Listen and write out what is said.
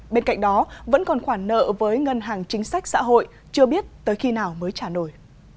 bên cạnh đó vẫn còn khoản nợ với ngân hàng chính sách xã hội chưa biết tới khi nào mới trả nổi